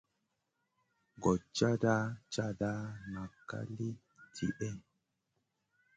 Gochata chata nak ka li tihè?